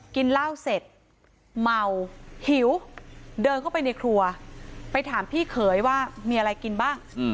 กินเหล้าเสร็จเมาหิวเดินเข้าไปในครัวไปถามพี่เขยว่ามีอะไรกินบ้าง